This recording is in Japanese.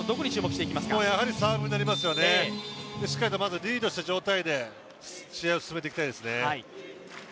しっかりとまずリードした状態で試合を進めていきたいですよね。